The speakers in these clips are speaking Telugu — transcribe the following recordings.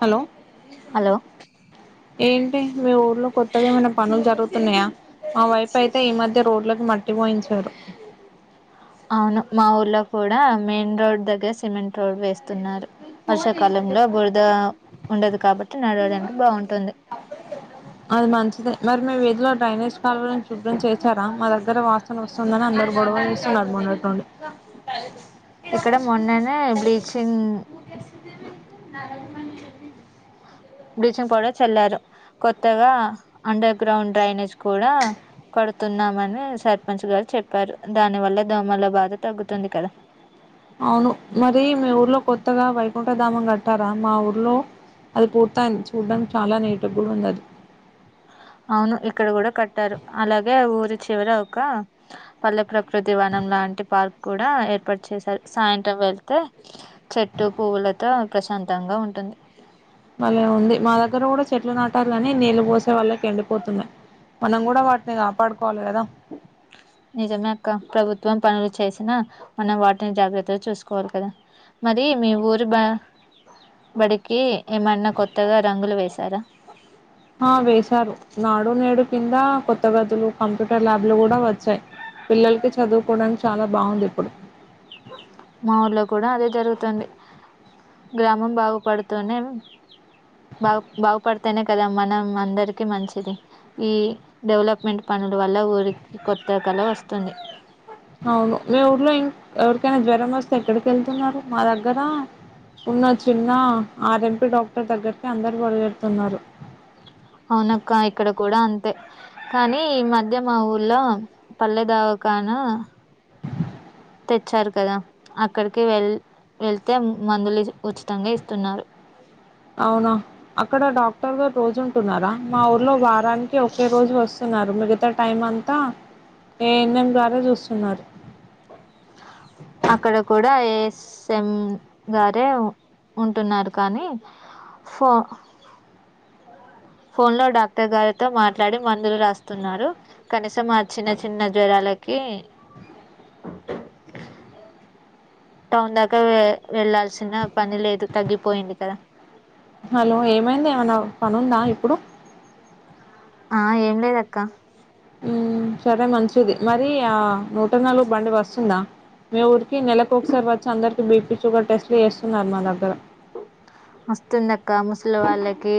హలో హలో ఏం టి మీ ఊర్లో కొత్తద ఏమైనా పనులు జరుగుతున్నాయా. మా వైపు అయితే ఈ మధ్య రోడ్లకి మట్టి పోయించారు. అవును మా ఊర్లో కూడా మెయిన్ రోడ్ దగ్గర సిమెంట్ రోడ్ వేస్తున్నారు. వర్షాకాలంలో బురద ఉండదు కాబట్టి నడవడానికి బాగుంటుంది. అది మంచిదే. మరి మేము విదిలో డ్రైనేజ్ కాలువలనీ శుభ్రం చేచారా. మా దగ్గర వాసన వస్తుందని అందరుూ గొడవ చూస్తున్నారు. మొన్నటి నుండి ఇక్కడ మొన్ననే బ్లీచింగ్ బ్లీచింగ్ పౌడర్ చల్లారు. కొత్తగా అండర్ గ్రౌండ్ డ్రైనేజ్ కూడా కడుతున్నామని సర్పంచ్ గారు చెప్పారు. దాని వల్ల దోమల బాధ తగ్గుతుంది కదా. అవును మరి మీ ఊర్లో కొత్తగా వైకుంఠధామం కట్టారా మా ఊర్లో అది పూర్తయింది. చూడ్డానికి చాలా నీటిగ్ కూడా ఉంది అది అవును ఇక్కడ కూడా కట్టారు. అలాగే ఊరి చివర ఒక పల్లె ప్రకృతి వనం లాంటి పార్క్ కూడా ఏర్పాటు చేశారు. సాయంత్రం వెళ్తే చెట్టు, పువ్వులతో ప్రశాంతంగా ఉంటుంది. భలే ఉంది. మా దగ్గర కూడా చెట్లు నాటాలని నీళ్లు పోసే వాళ్లకి ఎండిపోతున్నాయి. మనం కూడా వాటిని కాపాడుక్ నిజమే అక్క ప్రభుత్వం పనుల్ చేసినా మనం వాటిని జాగ్రత్తగా చూసుకోవాలి కదా. మది మీ ఊరు బ బడికి ఏమన్నా కొత్తగా రంగులు వేసారా? ఆ వేశారు. నాడు నేడు కింద కొత్త గదులు కంప్యూటర్ ల్యాబ్లు కూడా వచ్చాయి. పిల్లలకి చదువుకోవడానికి చాలా బాగుంది. ఇప్పుడు మా ఊర్లో కూడా అదే జరుగుతుంది. గ్రామం బాగుపడుతూనే బా బాగుపడితేనే కదా మనం అందరికీ మంచిది. ఈ డెవలప్మెంట్ పనుల వల్ల ఊరికి కొత్త కల వస్తుంది. అవును మీ ఊర్లో ఇం ఎవరికైనా జ్వరం వస్తే ఎక్కడికి వెళ్తున్నారు. మా దగ్గర ఉన్న చిన్న ఆర్. ఎం. పి. డాక్టర్ దగ్గరికి అందరు పరిగెడుతున్నారు. అవునక్క ఇక్కడ కూడా అంతే కానీ ఈ మధ్య మా ఊర్లో పల్లెదావకాను ఇచ్చారు కదా అక్కడికి వెళ్ వెళ్తే మందులు ఉచితంగా ఇస్తున్నారు. అవునా అక్కడ డాక్టర్ గారు రోజు ఉంటున్నారా మా ఊర్లో వారానికి ఒకే రోజు వస్తున్నారు మిగతా టైం అంతా ఏ ఎన్ ఎం గారే చూస్తున్నారు. అక్కడ కూడా ఏఎస్ఎం గారే ఉ ఉంటున్నారు కానీ ఫో ఫోన్ లో డాక్టర్ గారితో మాట్లాడి మందులు రాస్తున్నారు కనీసం ఆ చిన్న చిన్న జ్వరాలకి టౌన్ దాకా వె వెళ్లాల్సిన పని లేదు తగ్గిపోయింది కదా హలో ఏమైంది ఏమన్నా పనుందా ఇప్పుడు ఆ ఏం లేదక్క. ఊ సరే మంచిది మరి ఆ నూట నాలుగు బండి వస్తుందా! మీ ఊరికి నెలలకు ఒకసారి వచ్చి అందరికిీ బీపీ షుగర్ టెస్ట్లు చేస్తున్నారు మా దగ్గర వస్తుందక్క ముసలి వాళ్ళకి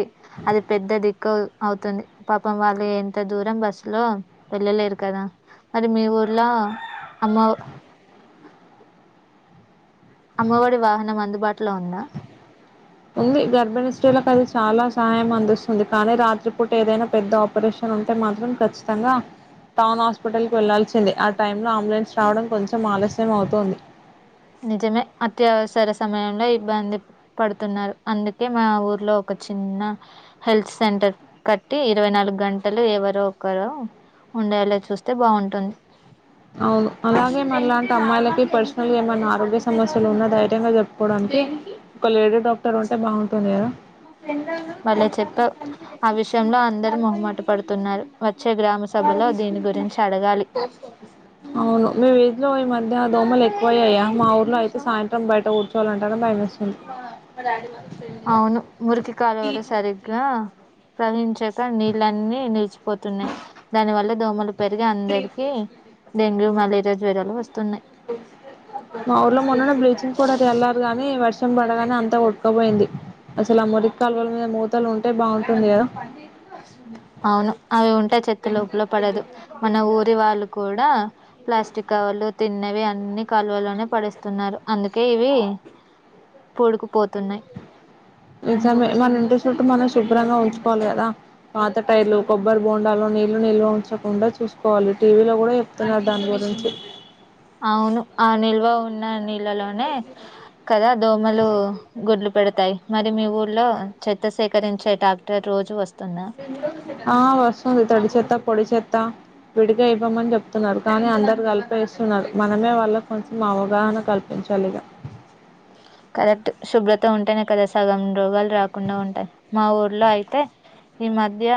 అది పెద్ద దిక్కు అవుతుంది పాపం వాళ్ళు ఎంత దూరం బస్సు లో వెళ్ళలేరు కదా మరి మీ ఊర్లో అమ్మ అమ్మవడి వాహనం అందుబాటులో ఉందా! ఉంది గర్భిణీ స్త్రీలకు అది చాలా సాయం అందిస్తుంది కానీ రాత్రిపూట ఏదైనా పెద్ద ఆపరేషన్ ఉంటే మాత్రం ఖచ్చితంగా టౌన్ హాస్పిటల్ కి వెళ్లాల్సిందే ఆ టైంలో అంబులెన్స్ రావడం కొంచెం ఆలస్యం అవుతుంది. నిజమే అత్యవసర సమయంలో ఇబ్బంది పడుతున్నారు అందుకే మా ఊర్లో ఒక చిన్న హెల్త్ సెంటర్ కట్టి ఇరవై నాలుగు గంటలు ఎవరో ఒకరు ఉండేలా చూస్తే బాగుంటుంది. అవును అలాగే మనలాంటి అమ్మాయిలకి పర్సనల్గా ఏమైన్నా ఆరోగ్య సమస్యలు ఉన్నా ధైర్యంగా చెప్పుకోవడానికి ఒక లేడీ డాక్టర్ ఉంటే బాగుంటుంది కదా! భలే చెప్పావ్ ఆ విషయంలో అందరి మొహమాటపడుతున్నారు వచ్చే గ్రామ సభలో దీని గురించి అడగాలి. అవును మీ వీదిలో ఈ మధ్య దోమలు ఎక్కువయ్యాయా మా ఊర్లో అయితే సాయంత్రం బయట కూర్చోవాలంటేనే భయమేస్తుంది. అవును మురికి కాలువలు సరిగ్గా ప్రవహించక నీళ్ళన్నీ నిలిచిపోతున్నాయి. దాని వల్ల దోమలు పెరిగి అందరికీ డెంగ్యూ, మలేరియా జ్వరాలు వస్తున్నాయి. మా ఊర్లో మొన్ననే బ్లీచింగ్ పౌడర్ చల్లారు గానీ వర్షం పడగానే అంతా కోట్ క పోయింది. అసలు మురికి కాలువల మీద మూతలు ఉంటే బాగుంటుంది కదా అవును అవి ఉంటే చెత్త లోపల పడదు మన ఊరు రి వాళ్ళు కూడా ప్లాస్టిక్ కవలు తిన్నవి అన్ని కాలువలోనే పడేస్తున్నారు అందుకే ఇవి కూడుకు నిజమే మనింటి తోటి మనుషులు శుభ్రంగా ఉంచుకోవాలి కదా పాత టైర్లు కొబ్బరి బో బోండాలో నీళ్లు నిల్వ ఉంచకుండా చూసుకోవాలి. టీవీలో కూడా చెప్తున్నారు దాని గురించి అవును ఆ నిల్వ ఉన్న నీ నీళ్లలోనే కదా దోమలు గుడ్లు పెడతాయి. మరి మీ ఊర్లో చెత్త సేకరించే ట్రాక్టర్ రోజు వస్త ఆ వస్తుంది. తడి చెత్త పొడి చెత్ త్త విడిగా ఇవ్వమని చెప్తున్నారు కానీ అందరు కలిపేస్తున్నారు మనమే వాళ్ళక్ కొంచెం అవగాహన కల్పించాలిగా కరెక్ట్ శుభ్రత ఉంటేనే కదా సగం రోగాలు రాకుండా ఉంటాయి మా ఊర్లో అయితే ఈ మధ్య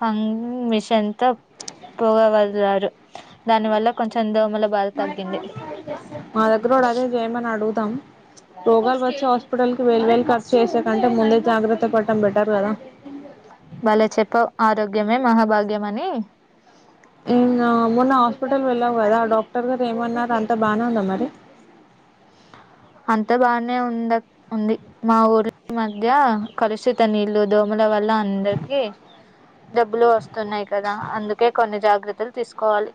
ఫంగ్ మిషన్ తో పొగ వదిలారు దాని వల్ల కొంచెం దోమ మా దగ్గర కూడా అదే చేయమని అడుగు తం. రోగాలు వచ్చే హా హాస్పిటల్ కి వెేలు వేలు ఖర్చు చేసే కంటే ముందే జాగ్రత్త పడటం బెటర్ కదా భలే చెప్పావ్ ఆరోగ్యమే మహాభాగ్యం అని ఇంగ మొన్న హాస్పిటల్ వెళ్ళావు కదా డాక్టర్ గారు ఏమన్నారు అంత బానే ఉందా మరి అంత బానే ఉందక్ ఉంది. మా ఊరి మధ్య కలుషిత నీళ్లు దోమల వల్ల అందరికి జబ్బులు వస్తున్నాయి కదా అందుకే కొన్ని జాగ్రత్తలు తీసుకోవాలి.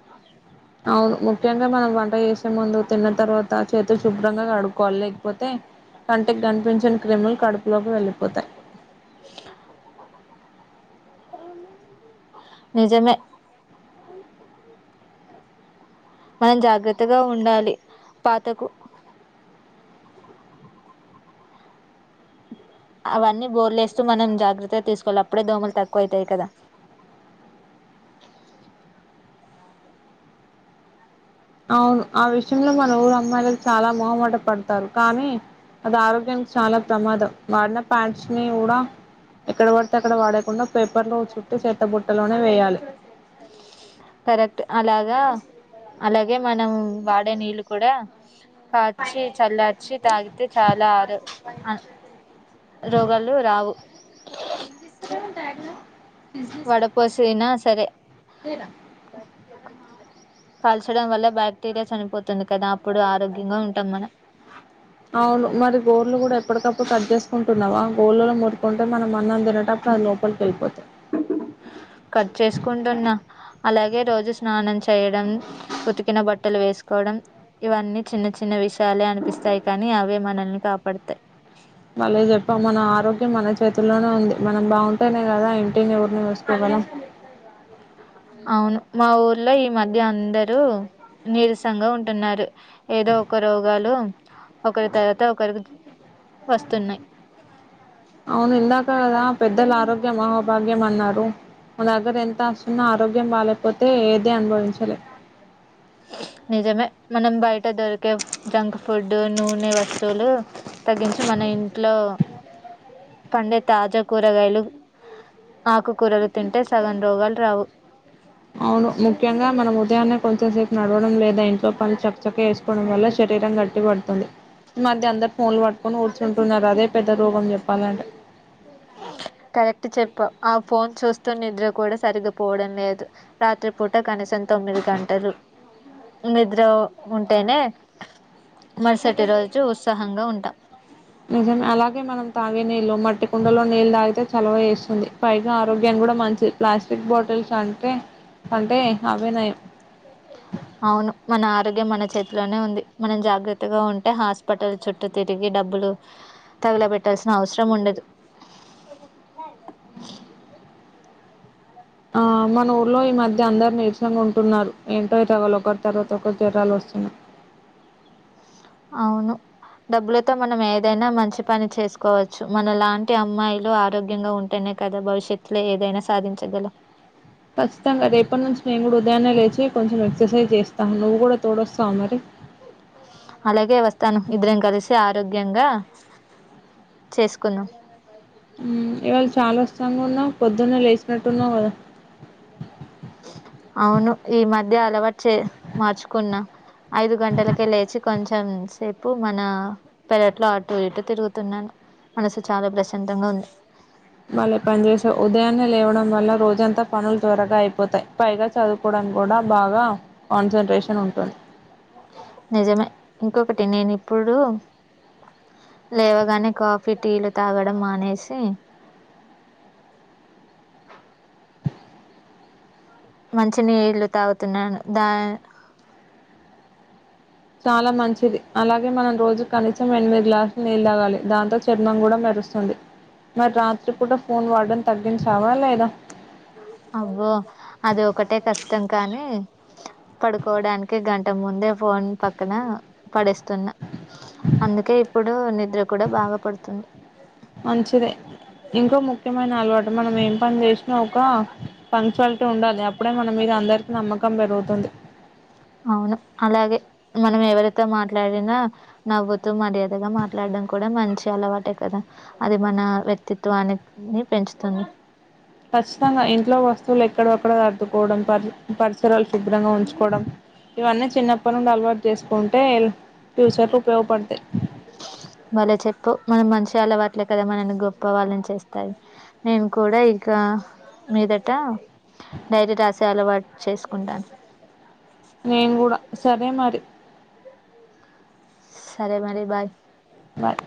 అవును ముఖ్యంగా మనం వంట చేసే ముందు తిన్న తర్వాత చేతులు శుభ్రంగా కడుక్కోవాలి లేకపోతే కంటికి కనిపించని క్రిములు కడుపులోకి వెళ్ళిపోతాయి. నిజమే మనం జాగ్రత్తగా ఉండాలి పాతకు అవన్నీ బోర్లేస్తూ మనం జాగ్రత్తగా తీసుకోవాలి అప్పుడే దోమలు తక్కువ అవుతాయి కదా అవును ఆ విషయంలో మన ఊరు అమ్మాయిలు చాలా మొహమాట పడతారు కానీ అది ఆరోగ్యానికి చాలా ప్రమాదం వాడిన పే స్పీముడా ఎక్కడ పడితే అక్కడ వాడేకుండా పేపర్ లో వ సుట్టి సెత్త బుట్టలోనే వేయాలి కరెక్ట్ అలాగా అలాగే మనం వాడే నీళ్ళు కూడా కాచి చల్లార్చి తాగితే చాలా ఆరు రోగాలు రావు ఉ బిజినె వడపోసినా సరే కాల్చడం వల్ల బాక్టీరియా చనిపోతుంది కదా అప్పుడు ఆరోగ్యంగా ఉంటాం మనం అవును మరి గోళ్లు కూడా ఎప్పటికప్పుడు కట్ చేసుకుంటున్నావా గోళ్ళలో మురి కుంటే మనం అన్నం తి నేటప్పుడు అది లోపలికి వెళ్ళిపోతాయి కట్ చేసుకుంటున్నా అలాగే రోజు స్నానం చేయడం ఉతికిన బట్టలు వేసుకోవడం ఇవన్నీ చిన్న చిన్న విషయాలే అనిపిస్తాయి కానీ అవే మనల్ని కాపాడతాయి మళ్ళీ చెప్పం మన ఆరోగ్యం మన చేతుల్లోనే ఉంది మనం బాగుంటేనే కదా ఇంటినిఊరిని చూసుకోగలం అవును మా ఊర్లో ఈ మధ్య అందరూ నీరసంగా ఉంటున్నారు ఏదో ఒక రోగాలు ఒకరి తర్వాత ఒకరికి వస్తున్నాయి అవును ఇందాక కదా పెద్దలు ఆరోగ్యం మహాభాగ్యం అన్నారు మన దగ్గర ఎంత ఆస్తి ఉన్నా ఆరోగ్యం బాలేేకపోతే ఏదీ అనుభవించలేం నిజమే మనం బయట దొరికే జంక్ ఫుడ్ నూనె వస్తువులు తగ్గించి మన ఇంట్లో పండే తాజా కూరగాయలు ఆకుకూరలు తింటే సగం రోగాలు రావు అవును ముఖ్యంగా మనం ఉదయాన్నే కొంచెం సేపు నడవడం లేదా ఇంట్లో పని చక చకా చేసుకోవడం వల్ల శరీరం గట్టి పడుతుంది ఈ మధ్య అందరు ఫోన్ లు పటు కొని కూర్చుంటున్నారు అదే పెద్ద రోగం చెప్పాలంటే కరెక్ట్ చెప్పావ్ ఆ ఫోన్ చూస్ స్తూ నిద్ర కూడా సరిపోవడం లేదు రాత్రిపూట కనీసం తొమ్మిది గంటలు నిద్ర ఉంటేనే మరుసటి రోజు ఉత్సాహంగా ఉంటాం నిజమే అలాగే మనం తాగేనీ రు మట్టి కుండలో నీళ్ళు తాగితే చలవ చేస్తుంది పైగా ఆరోగ్యాన్ని కూడా మంచిది ప్లాస్టిక్ బాటిల్స్ అంటే అంటే అవే నయం అవును మన ఆరోగ్యం మన చేతిలోనే ఉంది మనం జాగ్రత్తగా ఉంటే హాస్పిటల్ చుట్టూ తిరిగి డబ్బులు తగల పెట్టాల్సిన అవసరం ఉండదు ఆ మన ఊర్లో ఈ మధ్య అందరు నీరసంగా ఉంటున్నారు ఏంటో ఈ జోరాలు ఒకరి తర్వాత ఒకరు జరాలు వస్తున్నాయి అవును డబ్బులతో మనం ఏదైనా మంచి పని చేసుకోవచ్చు మన లాంటి అమ్మాయిలు ఆరోగ్యంగా ఉంటేనే కదా భవిష్యత్లో ఏదైనా సాధించగలమ్ ఖచ్చితంగా రేపటి నుంచి మేము కూడా ఉదాయాన్నే లేచి కొంచెం ఎక్సర్సైజ్ చేస్తాం నువ్వు కూడా తోడొస్తావా మరి అలాగే వస్తాను ఇద్దరం కలిసి ఆరోగ్యంగా చేసుకున్నాం ఇవాళ చాలా వర్షంగా ఉన్నా పొద్దున్నే లేచినట్టున్నావు కదా అవును ఈ మధ్య అలవాటు చే మార్చుకున్నా ఐదు గంటలకే లేచి కొంచెం సేపు మన పెరట్లో అటు ఇటు తిరుగుతున్నాను మనసు చాలా ప్రశాంతంగా ఉంది మళ్ళీ పనిచేసే ఉదయాన్నే లేవడం వల్ల రోజంతా పనులు త్వరగా అయిపోతాయి పైగా చదువుకోవడం కూడా బాగా కాన్సంట్రేషన్ ఉంటుంది నిజమే ఇంకొకటి నేను ఇప్పుడు లేవగానే కాఫీ టీలు తాగడం మానేసి మంచినీళ్ళు తాగుతున్నాను దా చాలా మంచిది అలాగే మనం రోజు కనీసం ఎనిమిది గ్లాసులు నీళ్ళు తాగాలి దాంతో చర్మం కూడా మెరుస్తుంది మరి రాత్రి పూట ఫోన్ వాడటం తగ్గించావా లేదా అబ్బో అది ఒకటే కష్టం కానీ పడుకోవడానికి గంట ముందే ఫోన్ పక్కన పడేస్తున్నా అందుకే ఇప్పుడు నిద్ర కూడా బాగా పడుతుంది మంచిదే ఇంకో ముఖ్యమైన అలవాటు మనం ఏం పని చేసినా ఒక ఫంక్చువాలిటీ ఉండాలి అప్పుడే మనం మీద అందరికీ నమ్మక కం పెరుగుతుంది అవును అలాగే మనం ఎవరితో మాట్లాడినా నవ్వుతూ మర్యాదగా మాట్లాడడం కూడా మంచి అలవాటే కదా అది మన వ్యక్తిత్వాన్ని పెంచుతుంది ఖచ్చితంగా ఇంట్లో వస్తువులు ఎక్కడివక్కడ సర్దుకోవడం పరి పరిసరాలు శుభ్రంగా ఉంచుకోవడం ఇవన్నీ చిన్నప్పడి నుండి అలవాటు చేసుకుంటే ఫ్యూచర్ లో ఉపయోగపడతాయి ఉపయోగపడతాయి భలే చెప్పావ్ మన మంచిగా అలవాట్లే కదా మనని గొప్ప వాళ్ళని చేస్తాది నేను కూడా ఇక మీదట డైరీ రాసే అలవాటు చేసుకుంటాను నేను కూడా సరే మరి సరే మరి బాయ్ బాయ్